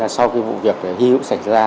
sau cái vụ việc hiểu xảy ra